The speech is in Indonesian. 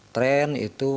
karena tren itu